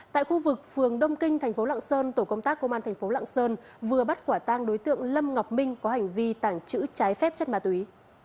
tại khu vực phường đông kinh tp lạng sơn tổ công tác công an tp lạng sơn vừa bắt quả tang đối tượng lâm ngọc minh có hành vi tảng chữ trái phép chất ma túy